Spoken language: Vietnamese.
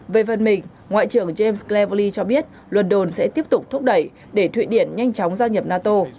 về phần mình ngoại trưởng james cleverley cho biết luân đồn sẽ tiếp tục thúc đẩy để thụy điển nhanh chóng gia nghiệp nato